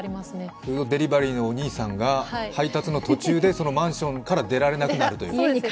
フードデリバリーのお兄さんが配達の途中でそのマンションから出られなくなるという。